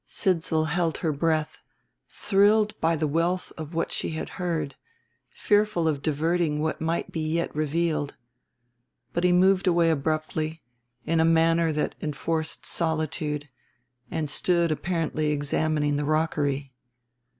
Sidsall held her breath, thrilled by the wealth of what she had heard, fearful of diverting what might be yet revealed. But he moved away abruptly, in a manner that enforced solitude, and stood apparently examining the rockery.